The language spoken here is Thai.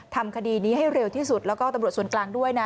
ทำคดีนี้ให้เร็วที่สุดแล้วก็ตำรวจส่วนกลางด้วยนะ